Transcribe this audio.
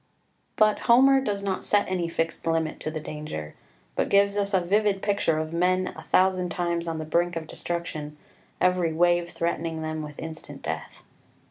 But Homer does not set any fixed limit to the danger, but gives us a vivid picture of men a thousand times on the brink of destruction, every wave threatening them with instant death.